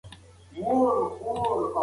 هغه په سیاسی چارو پوه و